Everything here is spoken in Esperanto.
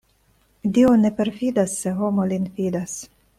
Dio ne perfidas, se homo lin fidas.